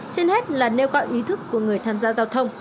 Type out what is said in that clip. trên hết là nêu cao ý thức của người tham gia giao thông